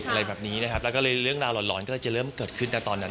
อะไรแบบนี้นะครับแล้วก็เลยเรื่องราวหลอนก็เลยจะเริ่มเกิดขึ้นนะตอนนั้น